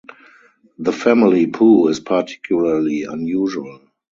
The family pew is particularly unusual.